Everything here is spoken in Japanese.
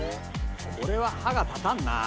これは歯が立たんなあ。